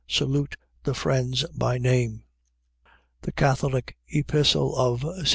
Salute the friends by name. THE CATHOLIC EPISTLE OF ST.